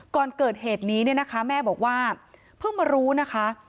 ก่อนเกิดเหตุนี้เนี่ยนะคะแม่บอกว่าเพิ่งมารู้นะคะ